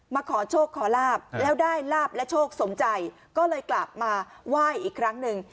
ขอโชคขอลาบแล้วได้ลาบและโชคสมใจก็เลยกลับมาไหว้อีกครั้งหนึ่ง